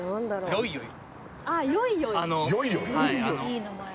よいよい